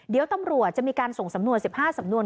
เดี๋ยวตำรวจจะมีการส่งสำนวน๑๕สำนวน